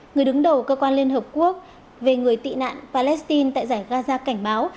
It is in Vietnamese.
người đứng đầu cơ quan liên hợp quốc về người tị nạn palestine tại giải gaza cảnh báo